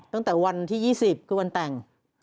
ตั้งแต่วันที่๒๐คือวันแต่ง